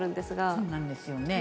そうなんですよね。